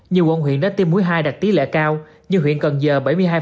nhiều quận huyện đã tiêm mũi hai đạt tỷ lệ cao như huyện cần giờ bảy mươi hai